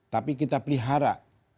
tapi kita pelihara